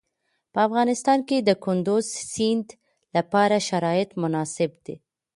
په افغانستان کې د کندز سیند لپاره شرایط مناسب دي.